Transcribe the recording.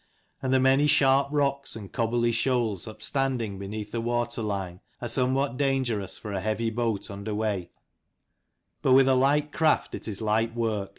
And the many sharp rocks and cobbly shoals upstanding beneath the water line are some what dangerous for a heavy boat under way: but with a light craft it is light work.